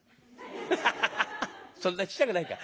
アハハそんなちっちゃくないか。